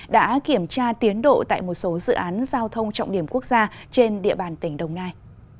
đã kiểm tra tiến độ tại một số dự án giao thông trọng điểm quốc gia trên địa bàn tỉnh đồng nai